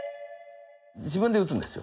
自分で打つんですよ